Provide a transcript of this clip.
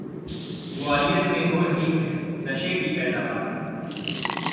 ग्वालियर में हो रही है नशे की पैदावार